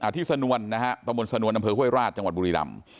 ที่สนวนตำบลสนวนอำเภอห้วยราชจังหวัดบุรีลำ